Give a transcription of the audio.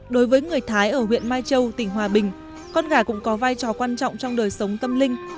đối với người thái ở huyện mai châu tỉnh hòa bình con gà cũng có vai trò quan trọng trong đời sống tâm linh